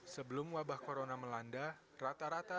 sebelum wabah corona melanda